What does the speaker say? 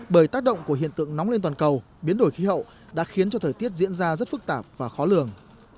bởi tác động của hiện tượng nóng lên toàn cầu biến đổi khí hậu đã khiến cho thời tiết diễn ra rất phức tạp và khó lường